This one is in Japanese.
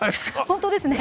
本当ですね。